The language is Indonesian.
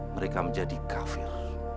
mereka menjadi kafir